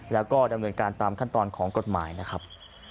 แล้วก็ดำเนินการตามขั้นตอนของกฎหมายนะครับ